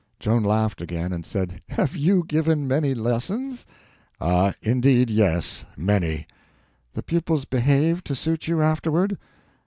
Joan laughed again, and said: "Have you given many lessons?" "Ah, indeed, yes—many." "The pupils behaved to suit you, afterward?"